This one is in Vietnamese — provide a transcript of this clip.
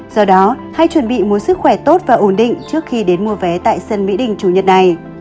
do đó hãy chuẩn bị một sức khỏe tốt và ổn định trước khi đến mua vé tại sân mỹ đình chủ nhật này